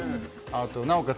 なおかつ